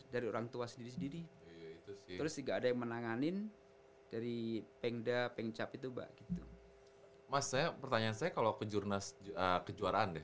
dari orang tua sendiri sendiri terus tidak ada yang menanganin dari pengda pengcap itu mbak mas saya pertanyaan saya kalau saya mau menangani pengda pengcap itu mbak